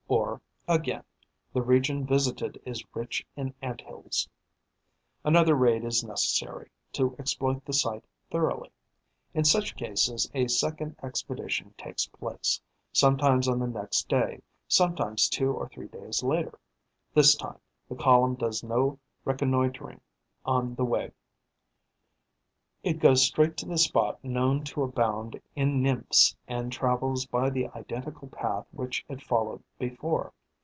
Or, again, the region visited is rich in Ant hills. Another raid is necessary, to exploit the site thoroughly. In such cases, a second expedition takes place, sometimes on the next day, sometimes two or three days later. This time, the column does no reconnoitring on the way: it goes straight to the spot known to abound in nymphs and travels by the identical path which it followed before.